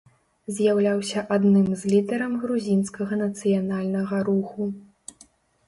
З'яўляўся адным з лідараў грузінскага нацыянальнага руху.